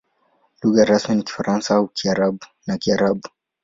Lugha rasmi ni Kifaransa na Kiarabu.